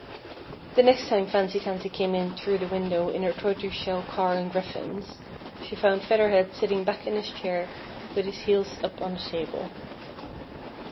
The next time Fancy Tansy came in through the window in her tortoise shell car and griffins, she found Feather Head sitting back in his chair with his heels up on the table.